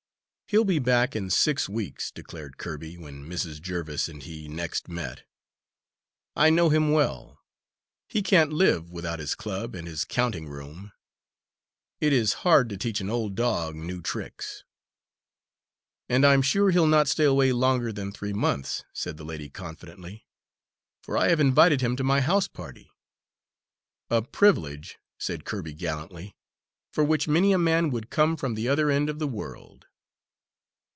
"He'll be back in six weeks," declared Kirby, when Mrs. Jerviss and he next met. "I know him well; he can't live without his club and his counting room. It is hard to teach an old dog new tricks." "And I'm sure he'll not stay away longer than three months," said the lady confidently, "for I have invited him to my house party." "A privilege," said Kirby gallantly, "for which many a man would come from the other end of the world."